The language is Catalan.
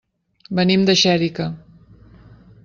Venim de Xèrica.